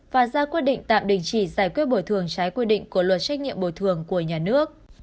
và ra quyết định tạm đình chỉ giải quyết bồi thường trái quy định của luật trách nhiệm bồi thường của nhà nước